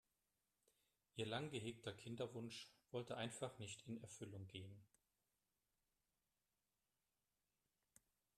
Ihr lang gehegter Kinderwunsch wollte einfach nicht in Erfüllung gehen.